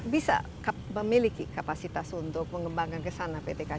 bisa memiliki kapasitas untuk mengembangkan ke sana pt kci